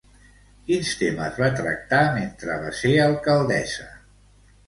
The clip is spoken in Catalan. Quins temes va tractar mentre va ser alcaldessa?